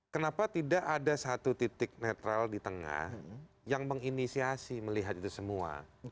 kenapa tidak ada satu titik netral di tengah yang menginisiasi melihat itu semua